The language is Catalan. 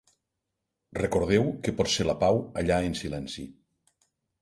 Recordeu què pot ser la pau allà en silenci.